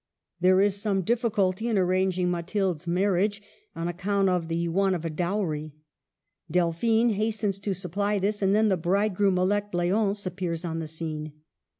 There is some difficulty in arranging Mathilde' s marriage, on account of the want of a dowry. Delphine hastens to supply this, and then the bridegroom elect, L6once, appears on the scene.